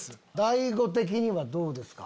大悟的にはどうですか？